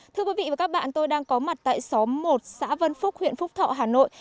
thưa quý vị và các bạn tôi đang có mặt tại xóm một xã vân phúc huyện phúc thọ hà nội